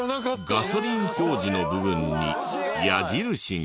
ガソリン表示の部分に矢印が。